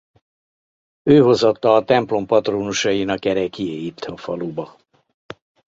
Ő hozatta a templom patrónusainak ereklyéit a faluba.